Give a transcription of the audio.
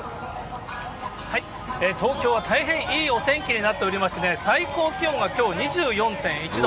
東京は大変いいお天気になっておりまして、最高気温はきょう２４．１度。